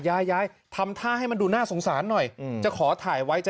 ย้ายทำท่าให้มันดูน่าสงสารหน่อยอืมจะขอถ่ายไว้จะ